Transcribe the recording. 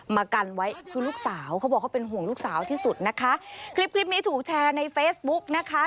มากันไว้คือลูกสาวเขาบอกเขาเป็นห่วงลูกสาวที่สุดนะคะคลิปคลิปนี้ถูกแชร์ในเฟซบุ๊กนะคะ